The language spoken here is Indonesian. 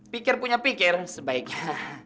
pikir punya pikir sebaiknya